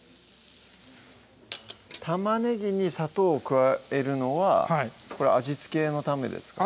玉ねぎに砂糖を加えるのはこれ味付けのためですか？